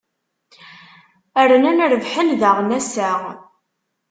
Rnan rebḥen daɣen ass-a.